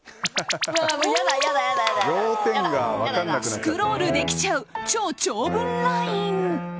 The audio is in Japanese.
スクロールできちゃう超長文ＬＩＮＥ。